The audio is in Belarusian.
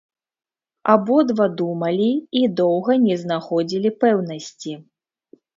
Абодва думалі і доўга не знаходзілі пэўнасці.